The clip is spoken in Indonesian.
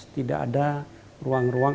tidak ada ruang ruang